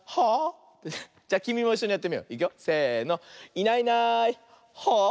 「いないいないはあ？」。